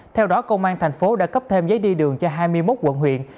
theo đó công an tp hcm đã cấp thêm giấy đi đường cho hai mươi một quận huyện